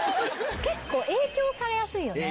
結構影響されやすいよね。